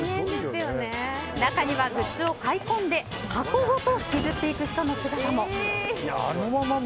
中にはグッズを買い込んで箱ごと引きずっていく人の姿も。